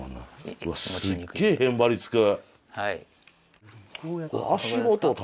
わっすっげえへばりつく。